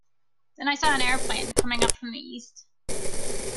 Then I saw an aeroplane coming up from the east.